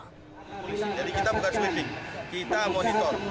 jadi kita bukan sweeping kita monitor jadi tidak ada sweeping fpi kita monitor